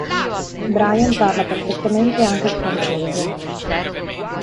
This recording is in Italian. Brian parla perfettamente anche il francese.